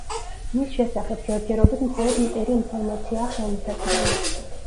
მის შესახებ ჯერჯერობით მხოლოდ მწირი ინფორმაციაა ხელმისაწვდომი.